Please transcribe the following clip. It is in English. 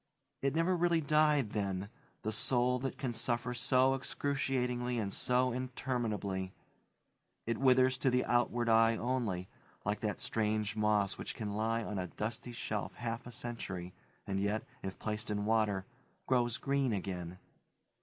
It never really died, then the soul that can suffer so excruciatingly and so interminably; it withers to the outward eye only; like that strange moss which can lie on a dusty shelf half a century and yet, if placed in water, grows green again.